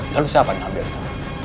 lalu siapa yang ambil contoh